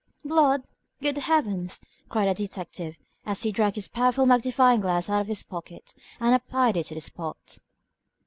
"Blood! Good Heavens!" cried the detective, as he dragged his powerful magnifying glass out of his pocket and applied it to the spot.